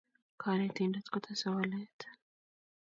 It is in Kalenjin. Kanetindet ko tesei walet